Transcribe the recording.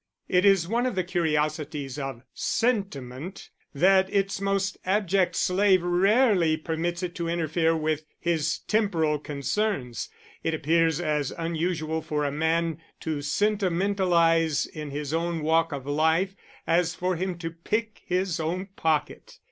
It is one of the curiosities of sentiment that its most abject slave rarely permits it to interfere with his temporal concerns; it appears as unusual for a man to sentimentalise in his own walk of life as for him to pick his own pocket.